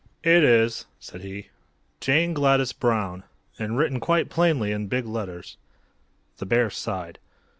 "It is," said he. "'Jane Gladys Brown;' and written quite plainly in big letters." The bear sighed.